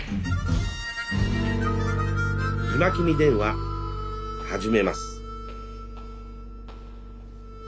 「今君電話」始めます。